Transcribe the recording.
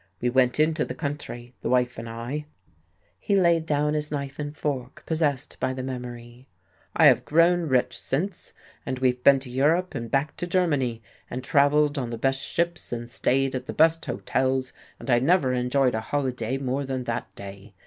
We went into the country, the wife and I." He laid down his knife and fork, possessed by the memory. "I have grown rich since, and we've been to Europe and back to Germany, and travelled on the best ships and stayed at the best hotels, but I never enjoyed a holiday more than that day.